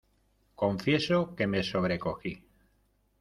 confieso que me sobrecogí.